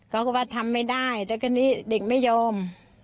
ก็ว่าทำไม่ได้ทีนี้เด็กไม่ยอม